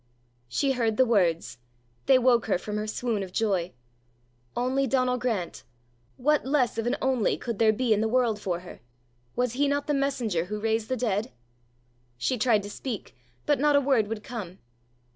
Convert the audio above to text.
She heard the words! They woke her from her swoon of joy. "Only Donal Grant!" What less of an only could there be in the world for her! Was he not the messenger who raised the dead! She tried to speak, but not a word would come.